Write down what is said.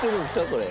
これ。